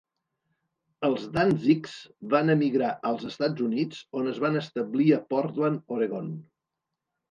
Els Dantzigs van emigrar als Estats Units, on es van establir a Portland, Oregon.